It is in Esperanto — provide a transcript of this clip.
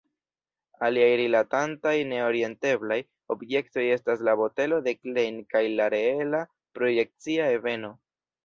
Aliaj rilatantaj ne-orienteblaj objektoj estas la botelo de Klein kaj la reela projekcia ebeno.